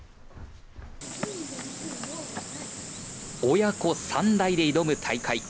親子３代で挑む大会。